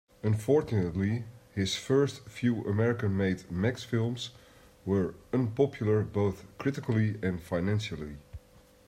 Unfortunately his first few American-made "Max" films were unpopular both critically and financially.